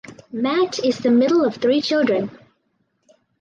Matt is the middle of three children.